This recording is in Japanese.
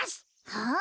はあ？